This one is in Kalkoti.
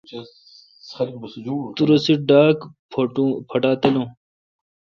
تو رسے ڈاگ پواٹا تلون۔